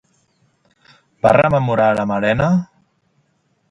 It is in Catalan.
Va rememorar la Malena?